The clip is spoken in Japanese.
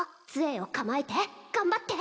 杖を構えて頑張って！